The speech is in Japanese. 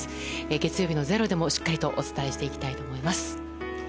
月曜日の「ｚｅｒｏ」でもしっかりお伝えしたいと思います。